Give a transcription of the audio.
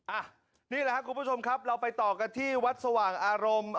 อ่ะนี่แหละครับคุณผู้ชมครับเราไปต่อกันที่วัดสว่างอารมณ์